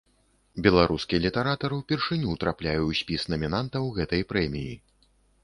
Беларускі літаратар упершыню трапляе ў спіс намінантаў гэтай прэміі.